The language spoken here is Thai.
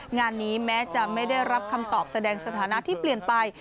งานนี้แม้จะไม่ได้รับคำตอบแสดงสถานะที่เปลี่ยนไป